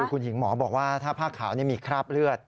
คุณหญิงหมอบอกว่าถ้าผ้าขาวนี่มีคราบเลือด